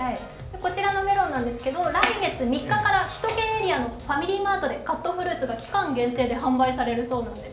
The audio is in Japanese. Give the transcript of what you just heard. こちらのメロンですが来月３日から首都圏エリアのファミリーマートでカットフルーツが期間限定で販売されるということなんです。